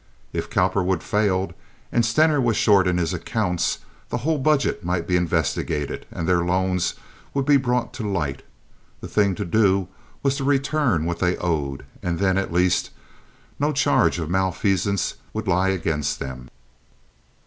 If Cowperwood failed, and Stener was short in his accounts, the whole budget might be investigated, and then their loans would be brought to light. The thing to do was to return what they owed, and then, at least, no charge of malfeasance would lie against them.